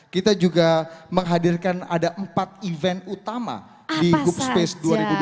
kita juga menghadirkan ada empat event utama di hub space dua ribu dua puluh